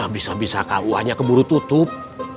bisa bisa kuahnya keburu tutup